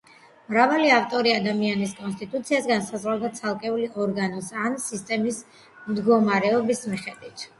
მრავალი ავტორი ადამიანის კონსტიტუციას განსაზღვრავდა ცალკეული ორგანოს ან სისტემის მდგომარეობის მიხედვით.